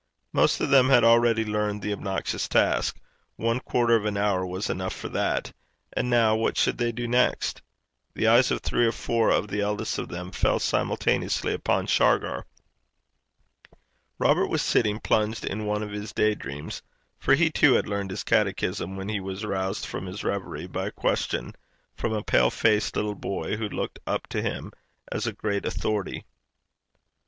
Most of them had already learned the obnoxious task one quarter of an hour was enough for that and now what should they do next? The eyes of three or four of the eldest of them fell simultaneously upon Shargar. Robert was sitting plunged in one of his day dreams, for he, too, had learned his catechism, when he was roused from his reverie by a question from a pale faced little boy, who looked up to him as a great authority.